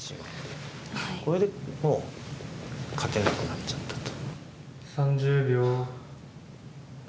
これでもう勝てなくなっちゃったと。